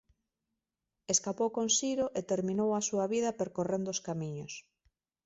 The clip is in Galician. Escapou con Siro e terminou a súa vida percorrendo os camiños.